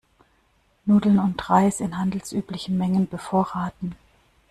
Nudeln und Reis in handelsüblichen Mengen bevorraten.